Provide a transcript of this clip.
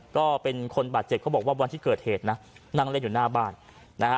ก็เป็นคนบาดเจ็บเขาบอกว่าวันที่เกิดเหตุนะนั่งเล่นอยู่หน้าบ้านนะฮะ